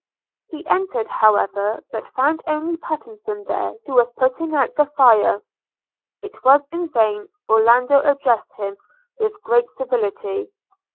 He entered, however; but found only Pattenson there who was putting out the fire. It was in vain Orlando addressed him with great civility.